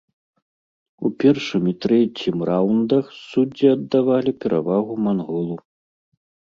У першым і трэцім раўндах суддзі аддавалі перавагу манголу.